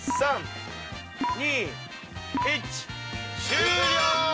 終了！